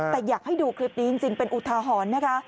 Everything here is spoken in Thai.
แต่อยากให้ดูคลิปนี้จริงเป็นอุทาหรณ์นะคะ